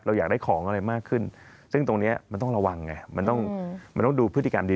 อยากได้ของอะไรมากขึ้นซึ่งตรงนี้มันต้องระวังไงมันต้องมันต้องดูพฤติกรรมดี